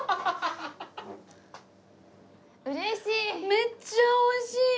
めっちゃおいしい！